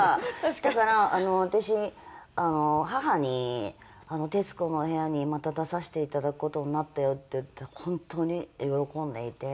だから私母に「『徹子の部屋』にまた出させていただく事になったよ」って言ったら本当に喜んでいて。